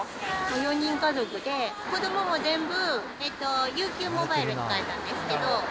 ４人家族で、子どもも全部、ＵＱモバイルに変えたんですけど。